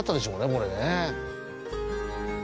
これね。